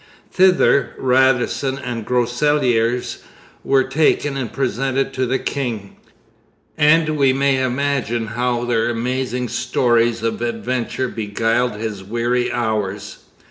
Thither Radisson and Groseilliers were taken and presented to the king; and we may imagine how their amazing stories of adventure beguiled his weary hours.